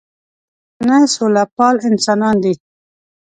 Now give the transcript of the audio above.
پښتانه سوله پال انسانان دي